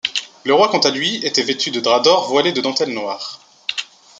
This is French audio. Le roi, quant à lui, était vêtu de drap d'or voilé de dentelle noire.